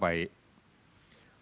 dan layanan yang terbaik